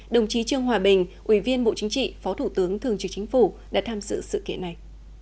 đồng chí trương hòa bình ủy viên bộ chính trị phó thủ tướng thường trực chính phủ đã tham sự sự kiện này